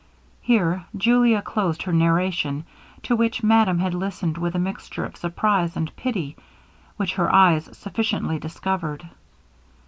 Here Julia closed her narration, to which madame had listened with a mixture of surprise and pity, which her eyes sufficiently discovered.